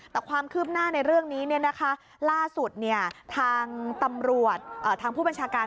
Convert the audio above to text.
แต่ความคืบหน้าในเรื่องนี้ล่าสุดทางตำรวจทางผู้บัญชาการ